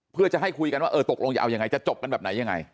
เพื่อจะให้คุยกันว่าเออตกลงจะเอายังไงจะจบกันแบบไหนยังไง